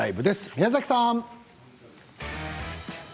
宮崎さん。